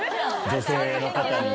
女性の方に。